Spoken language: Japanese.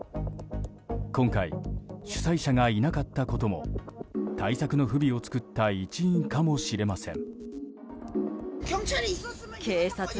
今回、主催者がいなかったことも対策の不備を作った一因かもしれません。